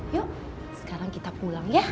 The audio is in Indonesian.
yuk sekarang kita pulang ya